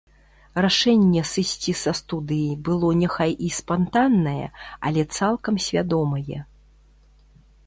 Рашэнне сысці са студыі было няхай і спантаннае, але цалкам свядомае.